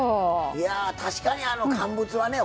いや確かにあの乾物はね